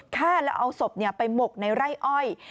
ฆ่าแล้วเอาศพไปหมกในไร่อ้อย